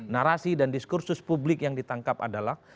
narasi dan diskursus publik yang ditangkap adalah